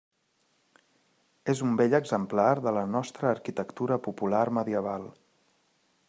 És un bell exemplar de la nostra arquitectura popular medieval.